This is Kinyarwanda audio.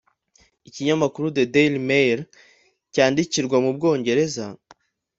Ikinyamakuru 'The Daily Mail' cyandikirwa mu Bwongereza